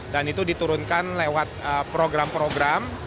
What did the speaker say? dan itu diturunkan lewat program program